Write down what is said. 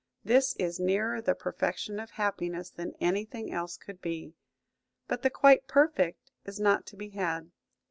This is nearer the perfection of happiness than anything else could be, but the quite perfect is not to be had.